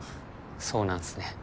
そうなんすね。